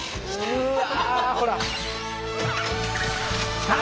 うわ。